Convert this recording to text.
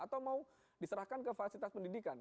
atau mau diserahkan ke fasilitas pendidikan